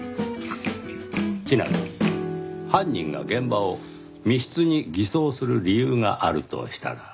ちなみに犯人が現場を密室に偽装する理由があるとしたら。